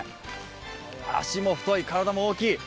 足も太い、体も大きい。